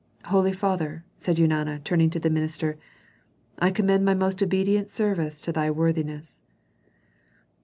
"Holy father," said Eunana, turning to the minister, "I commend my most obedient service to thy worthiness."